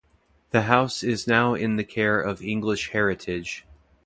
The house is now in the care of English Heritage.